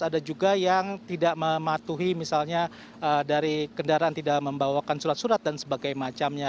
ada juga yang tidak mematuhi misalnya dari kendaraan tidak membawakan surat surat dan sebagainya